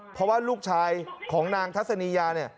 เพราะว่าลูกชายของนางทัศนียาเนี่ย